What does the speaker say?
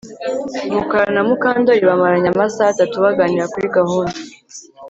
Mukara na Mukandoli bamaranye amasaha atatu baganira kuri gahunda